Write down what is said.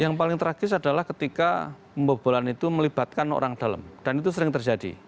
yang paling tragis adalah ketika pembobolan itu melibatkan orang dalam dan itu sering terjadi